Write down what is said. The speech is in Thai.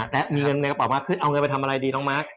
และมีเงินในกระเป๋ามากขึ้นเอาเงินไปทำอะไรดีน้องมาร์ค